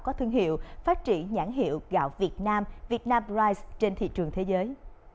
có thương hiệu phát triển nhãn hiệu gạo việt nam việt nam rice trên thị trường thế giới